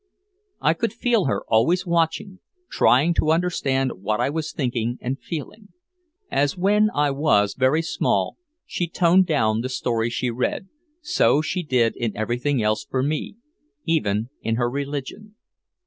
I could feel her always watching, trying to understand what I was thinking and feeling. As when I was very small she toned down the stories she read, so she did in everything else for me, even in her religion.